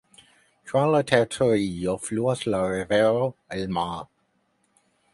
Tra la teritorio fluas la rivero Almar.